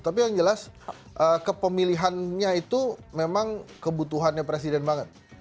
tapi yang jelas kepemilihannya itu memang kebutuhannya presiden banget